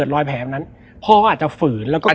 แล้วสักครั้งหนึ่งเขารู้สึกอึดอัดที่หน้าอก